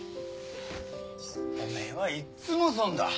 おめえはいっつもそんだ。